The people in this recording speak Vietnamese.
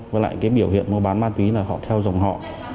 với lại cái biểu hiện mua bán ma túy là họ theo dòng họ